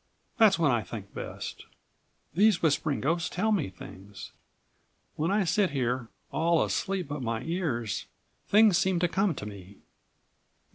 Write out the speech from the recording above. That's when I think best. These whispering ghosts tell me things. When I sit here all, asleep but my ears, things seem to come to me."